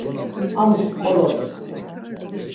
Amus p̌qorop.